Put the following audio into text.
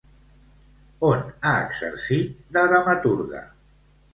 On ha exercit de dramaturga?